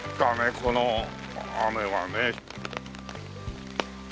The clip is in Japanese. この雨はね。